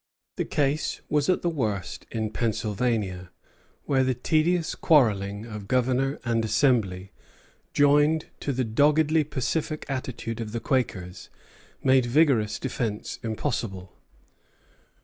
The case was at the worst in Pennsylvania, where the tedious quarrelling of Governor and Assembly, joined to the doggedly pacific attitude of the Quakers, made vigorous defence impossible.